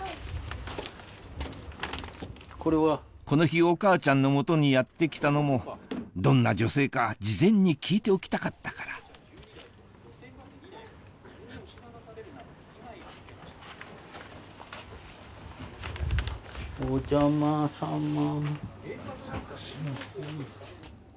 この日お母ちゃんの元にやって来たのもどんな女性か事前に聞いておきたかったからお邪魔さま。